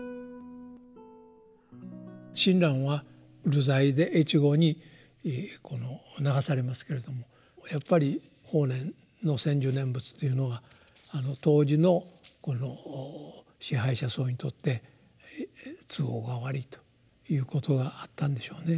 親鸞は流罪で越後に流されますけれどもやっぱり法然の専修念仏というのが当時の支配者層にとって都合が悪いということがあったんでしょうね。